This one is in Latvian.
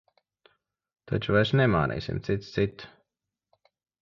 Taču vairs nemānīsim cits citu.